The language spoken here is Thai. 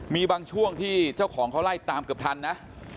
มีบางช่วงที่เจ้าของเขาไล่ตามเกือบทันนะ